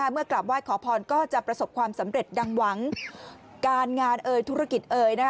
เมื่อกลับไหว้ขอพรก็จะประสบความสำเร็จดังหวังการงานเอ่ยธุรกิจเอ่ย